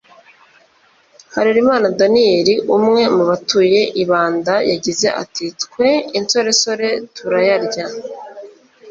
Harerimana Daniel umwe mu batuye i Banda yagize ati “twe insoresore turayarya